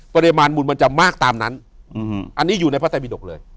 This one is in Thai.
ปริมาณบุญมันจะมากตามนั้นอันนี้อยู่ในพระไตบิดกเลย